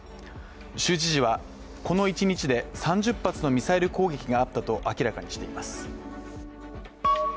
州知事はこの一日で３０発のミサイル攻撃があったと明らかにしています。